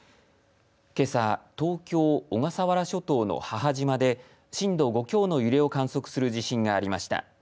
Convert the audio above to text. けさ東京、小笠原諸島の母島で震度５強の揺れを観測する地震がありました。